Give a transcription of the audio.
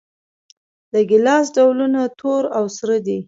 د ګیلاس ډولونه تور او سره دي.